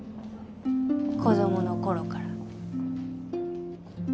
子供の頃から。